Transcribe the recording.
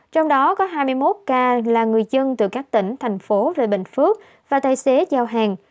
trong đó có hai mươi một ca là người dân từ các tỉnh thành phố rời bình phước và tài xế giao hàng